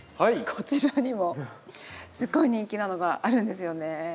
こちらにもすごい人気なのがあるんですよね。